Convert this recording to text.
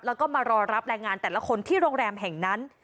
แล้วก็มารอรับแรงงานแต่ละคนที่โรงแรมแห่งนั้น